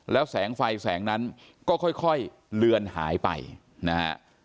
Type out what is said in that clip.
แล้วแสงไฟแสงนั้นก็ค่อยเลือนหายไปนะฮะ